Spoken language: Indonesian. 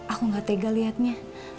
aku gak tega liatnya